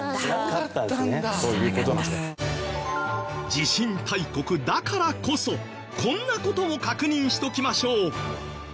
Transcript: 地震大国だからこそこんな事も確認しておきましょう。